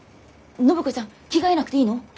暢子ちゃん着替えなくていいの？